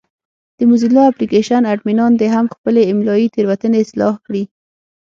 د موزیلا اپلېکشن اډمینان دې هم خپلې املایي تېروتنې اصلاح کړي.